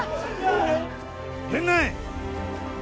・源内。